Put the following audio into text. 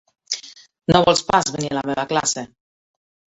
No vols pas venir a la meva classe?